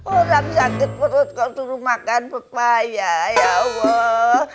orang sakit perut kau suruh makan papaya ya allah